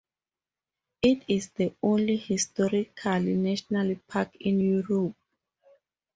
It is the only historical national park in Europe.